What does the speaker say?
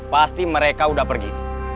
pasti mereka udah pergi